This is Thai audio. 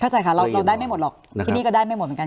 เข้าใจค่ะเราได้ไม่หมดหรอกที่นี่ก็ได้ไม่หมดเหมือนกัน